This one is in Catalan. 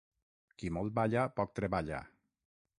Qui molt balla, poc treballa.